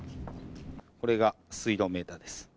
これが水道メーターです。